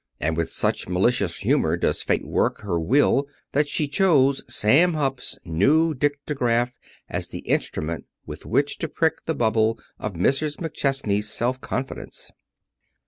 And with such malicious humor does Fate work her will that she chose Sam Hupp's new dictagraph as the instrument with which to prick the bubble of Mrs. McChesney's self confidence.